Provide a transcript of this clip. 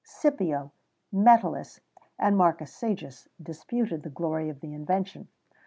Scipio, Metellus, and Marcus Sejus disputed the glory of the invention.